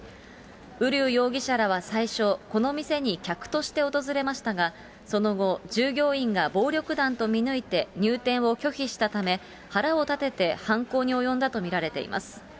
瓜生容疑者らは最初、この店に客として訪れましたが、その後、従業員が暴力団と見抜いて入店を拒否したため、腹を立てて犯行に及んだと見られています。